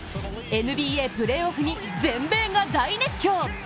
ＮＢＡプレーオフに全米が大熱狂！